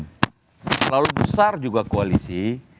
terlalu besar juga koalisi